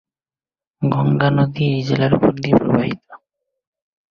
গঙ্গা নদী এই জেলার উপর দিয়ে প্রবাহিত।